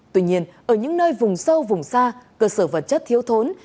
tuy nhiên ở những nơi vùng sâu vùng xa cơ sở vật chất thiếu thốn